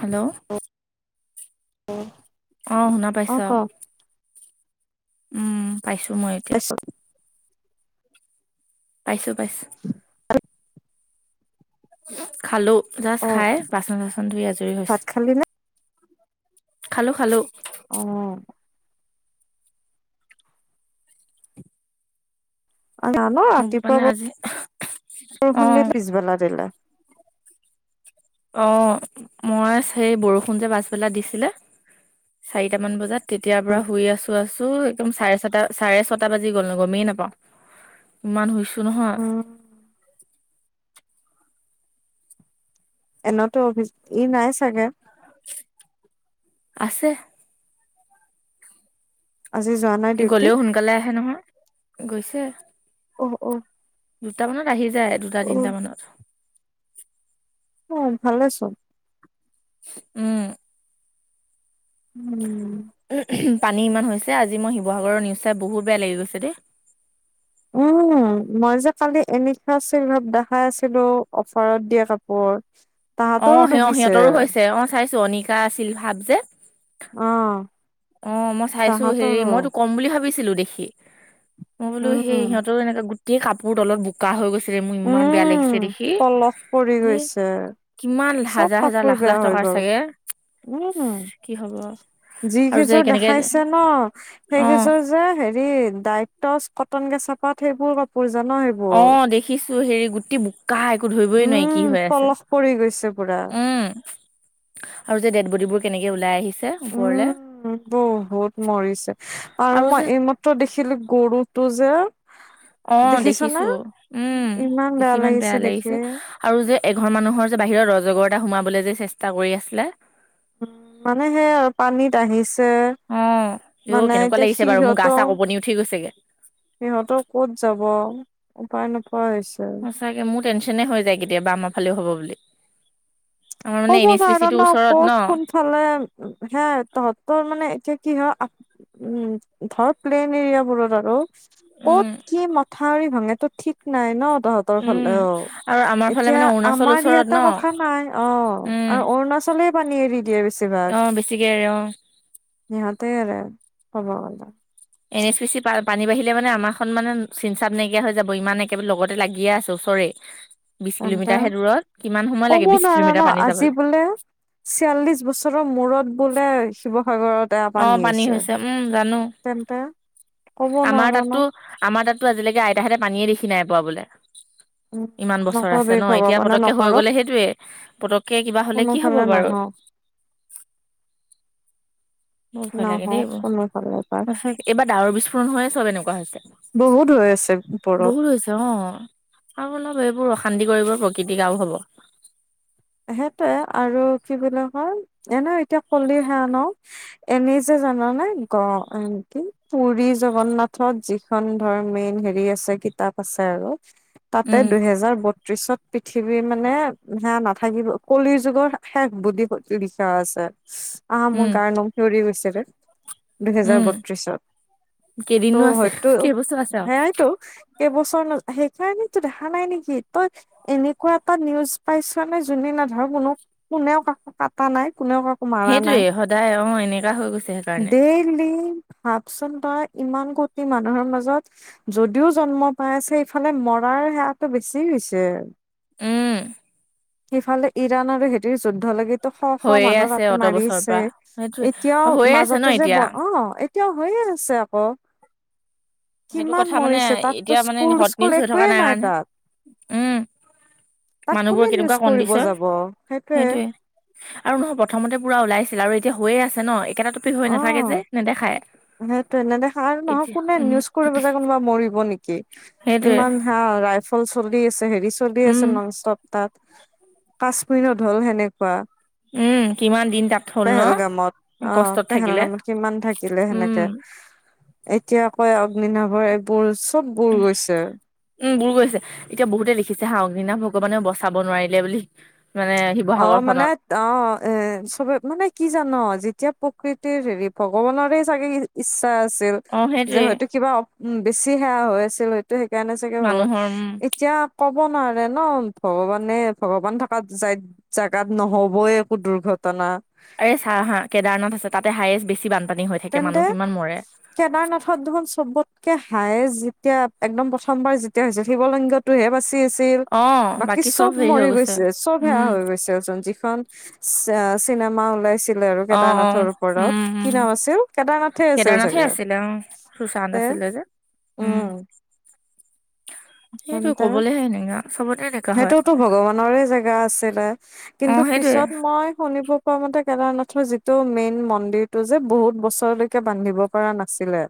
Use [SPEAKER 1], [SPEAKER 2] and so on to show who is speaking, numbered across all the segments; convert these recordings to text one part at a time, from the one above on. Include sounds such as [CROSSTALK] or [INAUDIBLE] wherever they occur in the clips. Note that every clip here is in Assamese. [SPEAKER 1] হেল্ল
[SPEAKER 2] অ
[SPEAKER 1] অ শুনা পাইছ?
[SPEAKER 2] ক
[SPEAKER 1] উম পাইছো মই। এতিয়া
[SPEAKER 2] পাইছ।
[SPEAKER 1] পাইছোঁ পাইছোঁ।
[SPEAKER 2] [INAUDIBLE]
[SPEAKER 1] খালো, জাষ্ট
[SPEAKER 2] অ
[SPEAKER 1] খাই বাচন চাচন ধুই আজৰি হৈছো।
[SPEAKER 2] ভাত খালি নে?
[SPEAKER 1] খালো খালো।
[SPEAKER 2] অ। আৰু জান
[SPEAKER 1] মোক
[SPEAKER 2] ৰাতিপুৱা
[SPEAKER 1] মানে
[SPEAKER 2] ব
[SPEAKER 1] আজি অ
[SPEAKER 2] বৰষুণ দি পিছবেলা দিলে।
[SPEAKER 1] অ', মই, সেই বৰষুণ যে পাছবেলা দিছিলে, চাৰিটামান বজাত তেতিয়াৰ পৰা শুই আছো, আছো একদম চাৰে ছটা চাৰে ছটা বাজি গ'ল মই গমেই নাপাওঁ, ইমান শুইছো নহয়।
[SPEAKER 2] উম, এনতো অফিচ, ই নাই চাগে?
[SPEAKER 1] আছে।
[SPEAKER 2] আজি যোৱা নাই?
[SPEAKER 1] ই
[SPEAKER 2] ডিউটি।
[SPEAKER 1] গলেওঁ, সোনকালে আহে নহয়, গৈছে।
[SPEAKER 2] অ', অ'।
[SPEAKER 1] দুট মানত আহি যায়, দুটা
[SPEAKER 2] অ'
[SPEAKER 1] তিনটা মানত।
[SPEAKER 2] অ', ভালে চোন।
[SPEAKER 1] উম।
[SPEAKER 2] উম
[SPEAKER 1] পানী ইমান হৈছে, আজি মই শিৱসাগৰৰ নিউজ চাই বহুত বেয়া লাগি গৈছে দেই। [INAUDIBLE]
[SPEAKER 2] উম মই যে কালি এনেকোৱা চেলত দেখাই আছিলো, অফাৰত দিয়ে কাপোৰ। তাহাঁতৰো
[SPEAKER 1] অ', স অ',
[SPEAKER 2] ডুবিছে
[SPEAKER 1] সিহঁতৰো হৈছে, অ', চাইছো অনিকা আছিল ভাৱ যে।
[SPEAKER 2] অ'।
[SPEAKER 1] অ', মই চাইছো হেৰি
[SPEAKER 2] তাহাঁতৰো
[SPEAKER 1] মইতো কম বুলি ভাবিছিলো দেখি। মই বোলো সেই
[SPEAKER 2] উম
[SPEAKER 1] সিহতঁৰ এনেকা গোটেই কাপোৰ তলত বো কা হৈ গৈছে, মোৰ ইমান বেয়া
[SPEAKER 2] উম
[SPEAKER 1] লাগিছে দেখি,
[SPEAKER 2] পলস পৰি
[SPEAKER 1] ধেই।
[SPEAKER 2] গৈছে
[SPEAKER 1] কিমান
[SPEAKER 2] চব
[SPEAKER 1] হাজাৰ, হাজাৰ
[SPEAKER 2] কাপোৰ
[SPEAKER 1] লাখ লাখ
[SPEAKER 2] বেয়া হৈ
[SPEAKER 1] টকাৰ
[SPEAKER 2] গ'ল
[SPEAKER 1] চাগে।
[SPEAKER 2] উম,
[SPEAKER 1] কি হব আৰু যে
[SPEAKER 2] যিকেইযোৰ
[SPEAKER 1] কেনেকে
[SPEAKER 2] দেখাইছে ন,
[SPEAKER 1] অ
[SPEAKER 2] সেইকেইযোৰ যে হেৰি দাই, তচ, কটন, কেচাপাত সেইবোৰ কাপোৰ জান, সেইবোৰ
[SPEAKER 1] অ', দেখিছো হেৰি গুটি বুক কা একো ধৰিবই নোৱাৰি, কি
[SPEAKER 2] উম
[SPEAKER 1] হৈ আছে,
[SPEAKER 2] পলস পৰি গৈছে পুৰা
[SPEAKER 1] উম। আৰু যে ডেড বডিবোৰ কেনেকে ওলাই আহিছে। ওপৰলে
[SPEAKER 2] উম, বহুত মৰিছে, আৰু মই এই ম দেখিলো গৰুটো যে
[SPEAKER 1] অ',
[SPEAKER 2] দেখিছ না
[SPEAKER 1] দেখিছো, উম, দেখি ইমান বেয়া লাগিছে। আৰু যে এঘৰ মানুহৰ যে বাহিৰত অজগৰ এটা সোমাবলৈ যে চেষ্টা কৰি আছিলে।
[SPEAKER 2] মানে সেই আৰু পানীত আহিছে।
[SPEAKER 1] অ', মোৰ
[SPEAKER 2] মানে
[SPEAKER 1] কেনেকুৱা
[SPEAKER 2] এতিয়া
[SPEAKER 1] লাগিছে বাৰু মোৰ গা- চা কপনি উঠি গৈছেগে।
[SPEAKER 2] সিহঁতৈ ক'ত যাব, উপায় নোপোৱা হৈছে।
[SPEAKER 1] সচাকৈ মোৰ টেনশ্যনে হৈ যায়, কেতিয়াবা আমাৰ ফালে হ'ব বুলি। আমাৰ মানে এন এছ পি চি তোৰ ওচৰত ন।
[SPEAKER 2] ফালে, উ হে তহঁতৰ মানে এতিয়া কি হ'য় উম, ধৰ প্লেইন এৰিয়া বোৰত আৰু।
[SPEAKER 1] উম,
[SPEAKER 2] ক'ত কি মথাউৰি ভাঙে তো ঠিক নাই ন তহঁত ৰ
[SPEAKER 1] উম,
[SPEAKER 2] ফালে অ',
[SPEAKER 1] আৰু আমাৰ ফালে
[SPEAKER 2] এতিয়া
[SPEAKER 1] মানে অৰুণাচল
[SPEAKER 2] আমাৰ
[SPEAKER 1] ওচৰত ন
[SPEAKER 2] ইয়াতে কথা নাই, অ'।
[SPEAKER 1] উম,
[SPEAKER 2] আৰু অৰুণাচলে পানী এৰি দিয়ে বেছি।
[SPEAKER 1] অ', বেছিকে এৰে অ'।
[SPEAKER 2] সিহঁতে এৰে ক'ব গ'লে।
[SPEAKER 1] এন এছ পি চি পা পানী বাঢ়িলে মানে আমাৰখন মানে চিনচাত নাইকিয়া হৈ যাব, ইমান একেবাৰে লগতে লাগিয়ে আছে ওচৰ চৰে, বিশ
[SPEAKER 2] তেন্তে
[SPEAKER 1] কিলোমিটাৰ হে দূৰত কিমান সময়
[SPEAKER 2] ক'ব
[SPEAKER 1] লাগে বিশ কিলোমিটাৰ পানী যাবলৈ।
[SPEAKER 2] চিয়াল্লিশ বছৰৰ মূৰত বোলে শিৱসাগৰত তেয়া
[SPEAKER 1] অ
[SPEAKER 2] পানী হৈছে,
[SPEAKER 1] উম জানো
[SPEAKER 2] তেন্তে ক'ব
[SPEAKER 1] আমাৰ
[SPEAKER 2] নোৱাৰ
[SPEAKER 1] তাতো
[SPEAKER 2] ন।
[SPEAKER 1] আমাৰ তাততো আজিলৈকে আতাহঁতে পানীয়ে দেখি নাই পোৱা বোলে।
[SPEAKER 2] উম,
[SPEAKER 1] ইমান বছৰ
[SPEAKER 2] নকবি
[SPEAKER 1] আছে ন এতিয়া
[SPEAKER 2] ভগৱানে
[SPEAKER 1] পতককে হৈ
[SPEAKER 2] নকৰক
[SPEAKER 1] গ'লে সেইটোৱে পতককে কিবা হলে কি হব
[SPEAKER 2] কোনোফালে
[SPEAKER 1] বাৰু?
[SPEAKER 2] নহওক।
[SPEAKER 1] [INAUDIBLE] বহৰ ভয় লাগে দেই
[SPEAKER 2] নহওক
[SPEAKER 1] ব
[SPEAKER 2] কোনোফালৰ পৰা
[SPEAKER 1] ত এইবাৰ ডাৱৰ বিস্ফোৰণ হয় ন চব এনেকুৱা হৈছে?
[SPEAKER 2] বহুত হৈ আছে ওপৰত।
[SPEAKER 1] বহুত হৈছে অ আৰু অলপ এইবোৰ অশান্তি কৰিবোৰ প্ৰকৃতিক আৰু হ'ব।
[SPEAKER 2] সেইটৱে আৰু কি বুলি কয় এনে এতিয়া কলি হে ন। এনেই যে জান নে গ কি পুৰী জগন্নাথত যি এখন ধৰ মেইন হেৰি আছে কিতাপ আছে আৰু তাতে
[SPEAKER 1] উম
[SPEAKER 2] দুহেজাৰ বত্ৰিশত পৃথিৱী মানে সে নাথাক থাকিব কলিৰ যুগৰ শেষ বুলি লিখা আছে আহা
[SPEAKER 1] উম
[SPEAKER 2] মোৰ গা নোম কাৰণ লৰি গৈছে। দুহেজাৰ
[SPEAKER 1] উম
[SPEAKER 2] বত্ৰিশত ত'
[SPEAKER 1] কেইদিনো আছে
[SPEAKER 2] হয়ো
[SPEAKER 1] কেইবছৰ আছে আৰু
[SPEAKER 2] সেয়াইতো। কেইবছৰ সেই কাৰণো দেখা নাই নেকি তই এনেকুৱা এটা নিউজ পাইছ। যোনে না ধৰ কোনো কোনেও ক কাটা নাই কোনেও ক
[SPEAKER 1] সেইটোৱে সদায় অ এনেকা হৈ গৈছে সেইকাৰণে
[SPEAKER 2] ডেইলি ভাবচোন তই ইমান কটি মানুহৰ মাজত। যদিও জন্ম পাই আছে ইফালে মৰাৰ হাৰটো বেছি হৈছে আৰু
[SPEAKER 1] উম
[SPEAKER 2] সিফালে ইৰাণ আৰু হেতিৰ যুদ্ধ লাগে। শ শ
[SPEAKER 1] হৈয়ে
[SPEAKER 2] মানুহ
[SPEAKER 1] আছে
[SPEAKER 2] তাতে
[SPEAKER 1] অত বছৰৰ
[SPEAKER 2] মাৰিছে
[SPEAKER 1] পৰা সেইটোয়ে
[SPEAKER 2] এতিয়াও
[SPEAKER 1] হৈয়ে আছে ন
[SPEAKER 2] মাজতে যে
[SPEAKER 1] এতিয়া
[SPEAKER 2] অ এতিয়াও হৈয়ে আছে আকৌ
[SPEAKER 1] সেইটো
[SPEAKER 2] কিমান
[SPEAKER 1] কথা মানে
[SPEAKER 2] মৰিছে
[SPEAKER 1] এতিয়া
[SPEAKER 2] তাততো
[SPEAKER 1] মানে
[SPEAKER 2] স্কুল
[SPEAKER 1] হট নিউজ
[SPEAKER 2] স্কুল
[SPEAKER 1] হৈ থকা
[SPEAKER 2] একোৱেই নাই
[SPEAKER 1] কাৰণে
[SPEAKER 2] তাত।
[SPEAKER 1] উম
[SPEAKER 2] তাক কোনে
[SPEAKER 1] মানুহবোৰৰ
[SPEAKER 2] নিউজ
[SPEAKER 1] কেনেকুৱা
[SPEAKER 2] কৰিব
[SPEAKER 1] কণ্ডিচন
[SPEAKER 2] যাব সেইটোয়ে
[SPEAKER 1] সেইটৱে। আৰু নহয় প্ৰথমতে পুৰা ওলাইছিল আৰু এতিয়া হৈয়ে আছে ন একেটাত। হৈ
[SPEAKER 2] অ
[SPEAKER 1] নাথাকে যে নেদেখায়
[SPEAKER 2] সেইটোয়ে নেদেখা আৰু নহয়
[SPEAKER 1] এতিয়া
[SPEAKER 2] কোনে নিউজ
[SPEAKER 1] উম।
[SPEAKER 2] কৰিব মৰিব নেকি
[SPEAKER 1] সেইটোয়ে
[SPEAKER 2] ইমান হে আৰু ৰাইজ ল চলি আছে হেৰি চলি আছে
[SPEAKER 1] উম
[SPEAKER 2] নন ষ্টপ তাত কাশ্মীৰত হ'ল সেনেকুৱা
[SPEAKER 1] উম কিমান দিন তাত হ'ল ন কষ্টত। থাকিলে
[SPEAKER 2] পহেলগামত কিমান থাকিলে
[SPEAKER 1] উম
[SPEAKER 2] সেনেকে এতিয়া কয় অগ্নি নাভৰ। বোৰ চব বুৰ গৈছে।
[SPEAKER 1] উম বুৰ গৈছে এতিয়া বহুতে লিখিছে হা অগ্নি ভগৱানেও বচাব নোৱাৰিলে বুলি। মানে
[SPEAKER 2] অ'
[SPEAKER 1] শিৱসাগৰ
[SPEAKER 2] মানে
[SPEAKER 1] খনত
[SPEAKER 2] অ', এ সবে মানে কি জান', যেতিয়া প্ৰকৃতিৰ হেৰি ভগৱানৰে চাগে ইচ্ছা আছিল।
[SPEAKER 1] অ
[SPEAKER 2] যে
[SPEAKER 1] সেইটোয়ে
[SPEAKER 2] হয়তো কিবা অ বেছি সেয়া হৈ আছিল হয়তো সেইকাৰণে চাগে ভগৱান
[SPEAKER 1] মানুহৰ উম
[SPEAKER 2] এতিয়া ক'ব নোৱাৰে ন, ভগৱানে ভগৱান থকা জাইত জাগাত নহ'বই একো দুৰ্ঘটনা।
[SPEAKER 1] এই চা হা, কেদাৰনাথ আছে তাতে হাইয়েছ বেছি বান
[SPEAKER 2] তেন্তে? কেদাৰনাথত দেখোন সবতকে হাইয়েছ যেতিয়া একদম প্ৰথমবাৰ যেতিয়া হৈছিল, শিৱলিংগটোহে বাছি আছে বাছিল
[SPEAKER 1] অ',
[SPEAKER 2] বাকী
[SPEAKER 1] চব
[SPEAKER 2] সব
[SPEAKER 1] হেৰি হৈ
[SPEAKER 2] মৰি গৈছে। সব সেয়া
[SPEAKER 1] উম,
[SPEAKER 2] হৈ গৈছেচোন যিখন চে-চিনেমা ওলাইছিলে আৰু
[SPEAKER 1] অ', অ',
[SPEAKER 2] কেদাৰনাথৰ ওপৰত।
[SPEAKER 1] উম,
[SPEAKER 2] কি
[SPEAKER 1] উম,
[SPEAKER 2] নাম আছিল? কেদাৰনাথে আছিল
[SPEAKER 1] কেদাৰনাথে
[SPEAKER 2] চাগে!
[SPEAKER 1] আছিলে অ'। সুশান্ত
[SPEAKER 2] তে
[SPEAKER 1] আছিলে যে,
[SPEAKER 2] উম।
[SPEAKER 1] সেইটো ক'বলেহে সেনেকা। সবতে দেখা
[SPEAKER 2] সেইটোওতো ভগৱানৰে জেগা আছিলে। কিন্তু
[SPEAKER 1] অ', সেইটোৱে
[SPEAKER 2] পিছত মই শুনিব পোৱা মতে, কেদাৰনাথৰ যিটো মেইন মন্দিৰটো যে বহুত বছৰলৈকে বান্ধিব পৰা নাছিলে।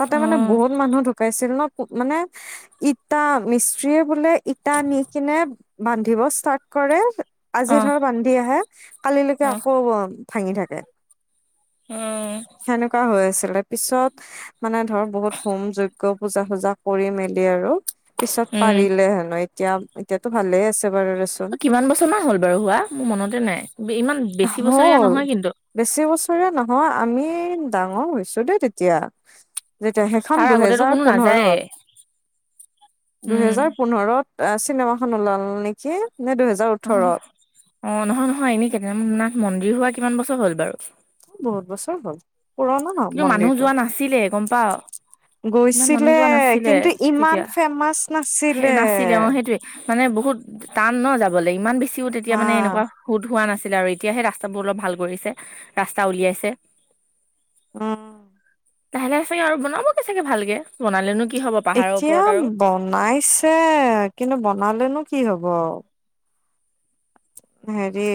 [SPEAKER 2] তাতে মানে
[SPEAKER 1] উম,
[SPEAKER 2] বহুত মানুহ ঢুকাইছিল ন মানে ই ইটা, মিস্ত্ৰীয়ে বোলে ইটা আনি কিনে বান্ধিব ষ্টাৰ্ট কৰে আজি
[SPEAKER 1] অ',
[SPEAKER 2] ধৰ বান্ধি আহে, কালিলৈকে
[SPEAKER 1] অ',
[SPEAKER 2] আকৌ ভাঙি থাকে।
[SPEAKER 1] উম,
[SPEAKER 2] সেনেকুৱা হৈ আছিলে। পিছত মানে ধৰ বহুত হোম যজ্ঞ পুজা-ফুজা কৰি মেলি আৰু পিছত
[SPEAKER 1] উম।
[SPEAKER 2] পাৰিলে হেনো। এতিয়া এতিয়াতো ভালে আছে বাৰু
[SPEAKER 1] অ' কিমান বছৰমান হ'ল বাৰু হোৱা? মোৰ মনতে নাই। ইমান বেছি
[SPEAKER 2] হ'ল
[SPEAKER 1] বছৰীয়া নহয় কিন্তু।
[SPEAKER 2] বেছি বছৰীয়া নহয়, আমি ডাঙৰ হৈছো দেই তেতিয়া। যেতিয়া সেইখন
[SPEAKER 1] তাৰ আগতেতো
[SPEAKER 2] দুহেজাৰ
[SPEAKER 1] কোনো নাযায়ে,
[SPEAKER 2] পোন্ধৰত।
[SPEAKER 1] উম।
[SPEAKER 2] দুহেজাৰ পোন্ধৰত আহ চিনেমাখন ওলাল নেকি, নে দুহেজাৰ ওঠৰত
[SPEAKER 1] অ নহয়, নহয়, এনে কেদাৰনাথ মন্দিৰ হোৱা কিমান বছৰ হ'ল বাৰু?
[SPEAKER 2] বহুত বছৰ হ'ল। পুৰণা ন
[SPEAKER 1] কিন্তু মানুহ
[SPEAKER 2] মন্দিৰটো।
[SPEAKER 1] যোৱা নাছিলে গম পাৱ, ইমান মানুহ
[SPEAKER 2] গৈছিলে,
[SPEAKER 1] যোৱা নাছিলে
[SPEAKER 2] কিন্তু ইমান
[SPEAKER 1] তেতিয়া।
[SPEAKER 2] ফেমাচ
[SPEAKER 1] সেই
[SPEAKER 2] নাছিলে।
[SPEAKER 1] নাছিলে অ সেইটোৱে মানে বহুত টান ন যাবলে, ইমান বেছিও তেতিয়া
[SPEAKER 2] হা
[SPEAKER 1] মানে এনেকুৱা সোধ হোৱা নাছিলে আৰু এতিয়াহে ৰাস্তাবোৰ অলপ ভাল কৰিছে, ৰাস্তা উলিয়াইছে।
[SPEAKER 2] উম।
[SPEAKER 1] লাহে লাহে চাগে আৰু বনাব কি চাগে ভালকে। বনালেনো কি হ'ব পাহাৰৰ
[SPEAKER 2] এতিয়া
[SPEAKER 1] ওপৰত আৰু
[SPEAKER 2] বনাইছে। কিন্তু বনালেনো কি হ'ব! হেৰি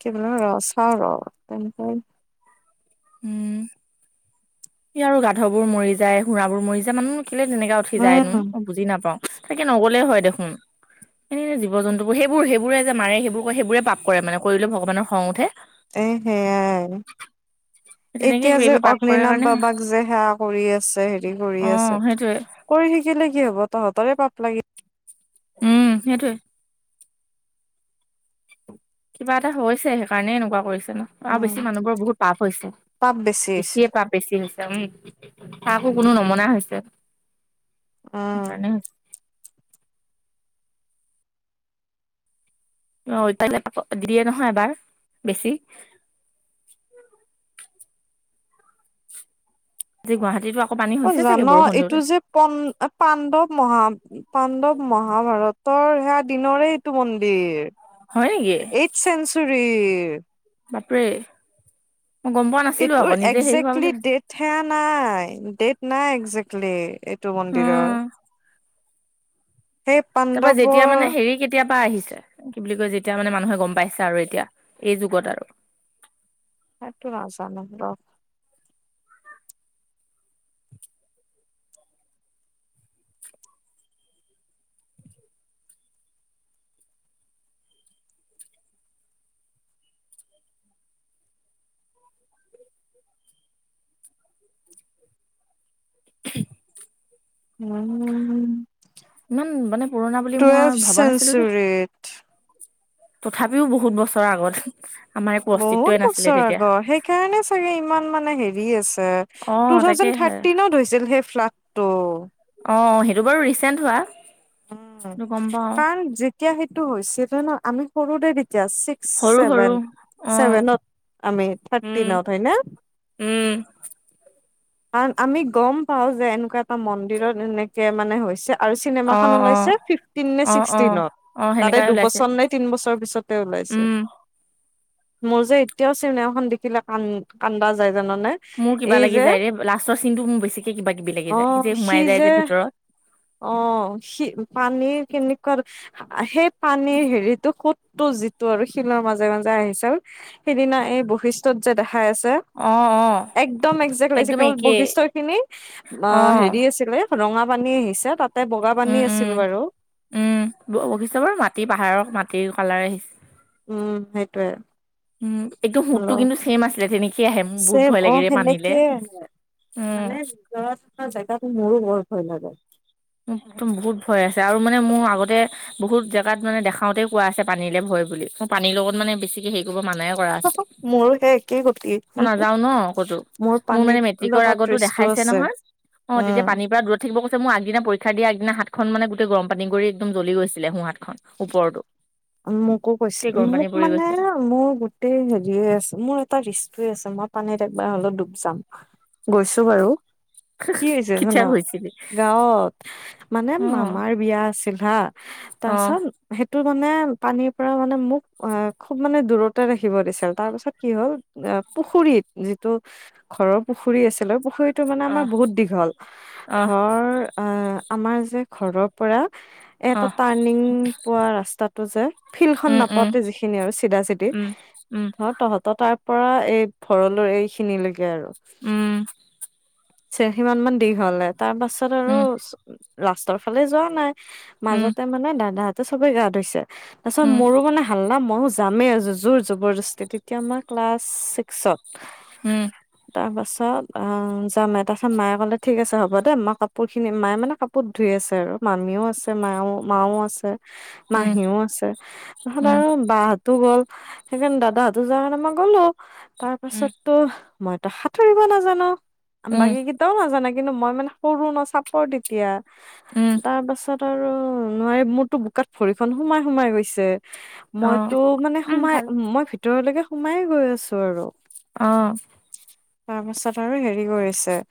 [SPEAKER 2] কি বোলো ৰ' চাওঁ ৰ' [UNINTELLIGIBLE]
[SPEAKER 1] উম। ইয়াৰো গাধবোৰ মৰি যায়, ঘোঁৰাবোৰ মৰি যায়, মানুহবোৰ কেলে তেনেকা উঠি
[SPEAKER 2] উম
[SPEAKER 1] যায়নো। বুজি নাপাওঁ। তাকে নগ'লেই হয় দেখোন। এহ জীৱ-জন্তুবোৰ। সেইবোৰ সেইবোৰে যে মাৰে, সেইবোৰে পাপ কৰে মানে, কৰিলে ভগৱানৰ খং উঠে
[SPEAKER 2] এহ সেয়াই।
[SPEAKER 1] তেনেকে
[SPEAKER 2] এতিয়া
[SPEAKER 1] কিবা
[SPEAKER 2] যে
[SPEAKER 1] কিবি পাপ কৰাৰ
[SPEAKER 2] অগ্নিনাভ
[SPEAKER 1] কাৰণে
[SPEAKER 2] বাবাক যে সেৱা কৰি আছে, হেৰি কৰি আছে।
[SPEAKER 1] সেইটোৱে।
[SPEAKER 2] কৰি থাকিলে কি হ'ব, তহঁতৰে পাপ লাগিব।
[SPEAKER 1] উম সেইটোৱে। কিবা এটা হৈছে, সেইকাৰণে এনেকুৱা কৰিছে ন? আৰু
[SPEAKER 2] উম
[SPEAKER 1] বেছি মানুহবোৰৰ বহুত পাপ হৈছে।
[SPEAKER 2] পাপ বেছি হৈছে
[SPEAKER 1] বেছিয়ে পাপ বেছি হৈছে। উম কাকো কোনো নমনা হৈছে।
[SPEAKER 2] অ'।
[SPEAKER 1] সেইকাৰণে অ', [UNINTELLIGIBLE] দিয়ে নহয় এবাৰ বেছি আজি গুৱাহাটীৰ
[SPEAKER 2] অ জানো এইটো যে প-পাণ্ডৱ মহা পাণ্ডৱ মহাভাৰতৰ সেয়া দিনৰেই টো মন্দিৰ,
[SPEAKER 1] হয় নেকি
[SPEAKER 2] এইট চেঞ্চুৰীৰ
[SPEAKER 1] বাপৰে মই গম পোৱা নাছিলো
[SPEAKER 2] এইটোৰ
[SPEAKER 1] আকৌ নিজে সেই হোৱা
[SPEAKER 2] একজেক্টলি
[SPEAKER 1] বুলি ভাবো
[SPEAKER 2] ডেট সেয়া নাই, ডেট নাই একজেক্টলি এইটো মন্দিৰৰ। সেই
[SPEAKER 1] তাৰ পৰা যেতিয়া
[SPEAKER 2] পাণ্ডৱৰ
[SPEAKER 1] মানে হেৰি কেতিয়াৰ পৰা আহিছে? কি বুলি কয়? যেতিয়া মানে মানুহে গম পাইছে আৰু এতিয়া এই যুগত আৰু?
[SPEAKER 2] সেইটো নাজানো ৰ।
[SPEAKER 1] [INAUDIBLE]
[SPEAKER 2] উম
[SPEAKER 1] ইমান মানে পুৰণা বুলি
[SPEAKER 2] টুৱেলভ
[SPEAKER 1] মই ভবা নাছিলো, দেই।
[SPEAKER 2] চেঞ্চুৰীত
[SPEAKER 1] তথাপিও বহুত বছৰৰ আগত। আমাৰ একো
[SPEAKER 2] বহুত
[SPEAKER 1] অস্তিত্বই নাছিলে
[SPEAKER 2] বছৰ
[SPEAKER 1] তেতিয়া
[SPEAKER 2] আগৰ, সেইকাৰণে চাগে ইমান মানে হেৰি আছে।
[SPEAKER 1] অ
[SPEAKER 2] টু, থাউজেণ্ড
[SPEAKER 1] তাকেহে
[SPEAKER 2] থাৰ্টিনত হৈছিল সেই ফ্লাডটো।
[SPEAKER 1] অ, সেইটো বাৰু ৰিচেণ্ট হোৱা।
[SPEAKER 2] উম,
[SPEAKER 1] সেইটো গম পাও
[SPEAKER 2] কাৰণ যেতিয়া সেইটো হৈছিলে ন, আমি সৰুৰে এতিয়া ছিক্স,
[SPEAKER 1] সৰু সৰু
[SPEAKER 2] ছেভেন
[SPEAKER 1] অ
[SPEAKER 2] ছেভেনত, আমি
[SPEAKER 1] উম
[SPEAKER 2] থাৰ্টিনত হয় নে?
[SPEAKER 1] উম,
[SPEAKER 2] কাৰণ আমি গম পাওঁ যে, এনেকুৱা এটা মন্দিৰত এনেকে মানে হৈছে। আৰু
[SPEAKER 1] অ
[SPEAKER 2] চিনেমাখন
[SPEAKER 1] অ
[SPEAKER 2] ওলাইছে ফিফটিন নে,
[SPEAKER 1] অ অ
[SPEAKER 2] ছিক্সটিনত।
[SPEAKER 1] অ
[SPEAKER 2] তাতে
[SPEAKER 1] সেনেকাই ওলাইছে
[SPEAKER 2] দুবছৰ নে, তিন বছৰ পিছতে ওলাইছিল।
[SPEAKER 1] উম
[SPEAKER 2] মোৰ যে, এতিয়াও চিনেমাখন দেখিলে কান, কান্দা যায় জানানে।
[SPEAKER 1] মোৰ কিবা
[SPEAKER 2] এই
[SPEAKER 1] লাগি
[SPEAKER 2] যে
[SPEAKER 1] যায় ৰে, লাষ্টৰ চিনটো মোৰ বেছিকে কিবা কিবি লাগি যায় সি যে সোমাই যায়, যে ভিতৰত।
[SPEAKER 2] অ, সি পানী কেনেকুৱা সেই পানীৰ হেৰিতটো সোতটো যিটো আৰু শিলৰ মাজে মাজে আহিছে আৰু। সিদিনা এই, বৈশিষ্ট্যত যে দেখাই আছে।
[SPEAKER 1] অ অ
[SPEAKER 2] একদম একজেক্ট লাগিছে,
[SPEAKER 1] একদম
[SPEAKER 2] কেৱল
[SPEAKER 1] একেই
[SPEAKER 2] বৈশিষ্টয় খিনি অ, হেৰি আছিলে। ৰঙা পানী আহিছে, তাতে বগা পানী
[SPEAKER 1] উম উম
[SPEAKER 2] আছিল বাৰু।
[SPEAKER 1] উম, বৈশিষ্ট্য বাৰু মাটি পাহাৰৰ মাটি কালাৰে আহিছে।
[SPEAKER 2] উম, সেইটোয়ে।
[SPEAKER 1] উম, সুতটো
[SPEAKER 2] হেল্ল'
[SPEAKER 1] কিন্তু ছেম আছিলে, তেনেকেই আহে বহুত
[SPEAKER 2] চেম
[SPEAKER 1] ভয়
[SPEAKER 2] অ
[SPEAKER 1] লাগে ৰে পানীলে।
[SPEAKER 2] সেনেকে
[SPEAKER 1] উম
[SPEAKER 2] মানে ভিতৰত থকা জেগাতো মোৰো বৰ ভয় লাগে।
[SPEAKER 1] মোক বহুত ভয় আছে, আৰু মানে মোৰ আগতে। বহুত জেগাত মানে দেখাওতেই কোৱা আছে, পানীলৈ ভয় বুলি মোৰ পানীৰ লগত মানে বেছিকে সে কৰিব মানাই কৰা আছে,
[SPEAKER 2] মোৰো সেই একেই গতি
[SPEAKER 1] মই নাযাও ন, ক'তো। মোৰ মানে
[SPEAKER 2] পানীৰ
[SPEAKER 1] মেট্ৰিকৰ
[SPEAKER 2] লগত
[SPEAKER 1] আগতো
[SPEAKER 2] ৰিচটো
[SPEAKER 1] দেখাইছে
[SPEAKER 2] আছে
[SPEAKER 1] নহয়। অ,
[SPEAKER 2] উম
[SPEAKER 1] তেতিয়া পানীৰ পৰা দূৰত থাকিব কৈছে মই আগদিনা পৰীক্ষা দিয়াৰ আগদিনা হাতখন মানে গোটে গৰম পানী কৰি একদম জ্বলি গৈছিলে সো হাতখন।
[SPEAKER 2] মোকো, কৈছে
[SPEAKER 1] গোটেই গৰম পানী
[SPEAKER 2] মোক
[SPEAKER 1] পৰি
[SPEAKER 2] মানে
[SPEAKER 1] গৈছে
[SPEAKER 2] মোৰ মোৰ হেৰিয়ে আছে, মোৰ এটা হেৰিয়ে আছে মই পানীত একবাৰ অলপ ডুব যাম। গৈছো বাৰু, কি হৈছে জান,
[SPEAKER 1] খিচিয়াই গৈছিলি
[SPEAKER 2] গাঁৱত। মানে
[SPEAKER 1] অ
[SPEAKER 2] মামাৰ, বিয়া আছিল হা,
[SPEAKER 1] অ
[SPEAKER 2] তাৰপিছত সেইটো মানে পানীৰ পৰা মানে মোক অ, খুব মানে দূৰতে ৰাখিব দিছিল, তাৰ পিছত কি হ'ল। অ, পুখুৰীত যিটো ঘৰৰ পুখুৰী আছিলে, পুখুৰীত টো, মানে আমাৰ
[SPEAKER 1] অহ
[SPEAKER 2] বহুত দীঘল
[SPEAKER 1] অহ
[SPEAKER 2] ধৰ আহ, আমাৰ যে ঘৰৰ পৰা, এটা
[SPEAKER 1] অহ
[SPEAKER 2] টাৰ্ণিং। পোৱা ৰাস্তাটো যে, ফিল্ডখন
[SPEAKER 1] উম উম
[SPEAKER 2] নাপাওঁতে যিখিনি আৰু চিধা চিধি।
[SPEAKER 1] উম
[SPEAKER 2] ধৰি তহঁতৰ তাৰ পৰা, এই ঘৰলৈ এইখিনিলৈকে আৰু।
[SPEAKER 1] উম
[SPEAKER 2] চেঠি মান-মান দীঘলে তাৰ পাছত আৰু
[SPEAKER 1] উম
[SPEAKER 2] লাষ্টৰ ফালে যোৱা নাই।
[SPEAKER 1] উম
[SPEAKER 2] মাজতে মানে, দাদাহঁতে চবে গা ধুইছে, তাৰ পিছত
[SPEAKER 1] উম
[SPEAKER 2] মোৰো মানে ভাল না, ময়ো যামেই জোৰ-জবৰ দস্তি তেতিয়া মাৰ ক্লাছ ছিক্সত।
[SPEAKER 1] উম,
[SPEAKER 2] তাৰ পাছত আ, যামে তাৰপাছত মায়ে কলে ঠিক আছে হ'ব দে মই কাপ পোৰখিনি, মায়ে মানে কাপোৰ ধুই আছে আৰু মামীও আছে মায়ও মাও আছে।
[SPEAKER 1] উম
[SPEAKER 2] মাহীও আছে,
[SPEAKER 1] উম
[SPEAKER 2] তাৰপিছত
[SPEAKER 1] উম
[SPEAKER 2] আৰু বাকহত টো গ'ল, সেইকাৰণে দাদাহঁতো যোৱাৰ কাৰণে মই গ'লো। তাৰ
[SPEAKER 1] উম
[SPEAKER 2] পাছত টো, মইতো সাঁতুৰিব নাজানো,
[SPEAKER 1] উম
[SPEAKER 2] বাকী কিট তাও নাজানে, কিন্তু মই মানে সৰু ন চাপৰ তেতিয়া।
[SPEAKER 1] উম।
[SPEAKER 2] তাৰ পাছত আৰু নোৱাৰি মোৰতো বোকাত ভৰিখন সোমাই সোমাই গৈছে।
[SPEAKER 1] অ
[SPEAKER 2] মইতো মানে
[SPEAKER 1] উম
[SPEAKER 2] সোমাই
[SPEAKER 1] খালো
[SPEAKER 2] মই ভিতৰলেকে সোমাইয়েই গৈ আছো আৰু
[SPEAKER 1] অ।
[SPEAKER 2] তাৰপাছত আৰু হেৰি কৰিছে।